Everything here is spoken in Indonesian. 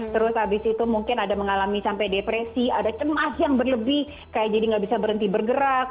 terus habis itu mungkin ada mengalami sampai depresi ada cemas yang berlebih kayak jadi nggak bisa berhenti bergerak